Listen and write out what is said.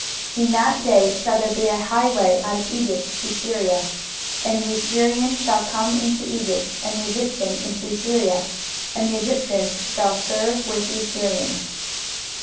23:019:023 In that day shall there be a highway out of Egypt to Assyria, and the Assyrian shall come into Egypt, and the Egyptian into Assyria, and the Egyptians shall serve with the Assyrians.